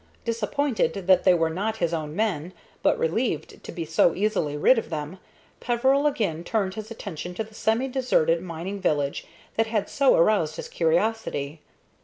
Disappointed that they were not his own men, but relieved to be so easily rid of them, Peveril again turned his attention to the semi deserted mining village that had so aroused his curiosity.